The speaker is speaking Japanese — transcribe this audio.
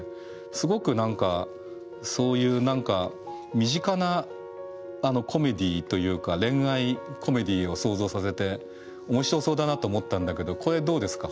すごく何かそういう身近なコメディーというか恋愛コメディーを想像させて面白そうだなと思ったんだけどこれどうですか？